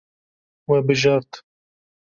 We bijart.